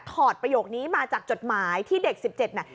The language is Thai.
อดประโยคนี้มาจากจดหมายที่เด็ก๑๗น่ะ